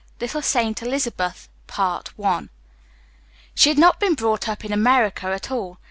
LITTLE SAINT ELIZABETH She had not been brought up in America at all.